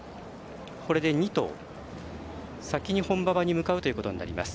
これで２頭、先に本馬場に向かうということになります。